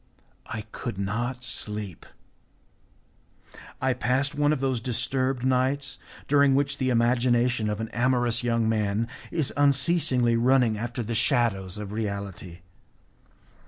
I could not sleep. I passed one of those disturbed nights during which the imagination of an amorous young man is unceasingly running after the shadows of reality.